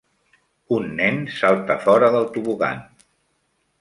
Un nen salta fora del tobogan.